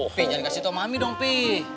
pi jangan kasih tau mami dong pi